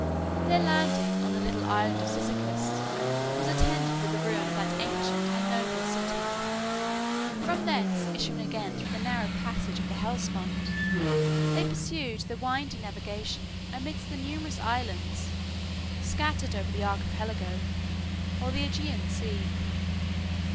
Their landing on the little island of Cyzicus was attended with the ruin of that ancient and noble city. From thence issuing again through the narrow passage of the Hellespont, they pursued their winding navigation amidst the numerous islands scattered over the Archipelago, or the Ægean Sea.